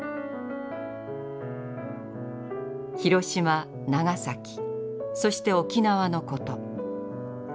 広島長崎そして沖縄のこと。